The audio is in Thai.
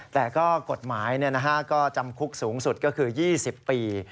แต่ก็กฎหมายก็จำคุกสูงสุดก็คือ๒๐ปี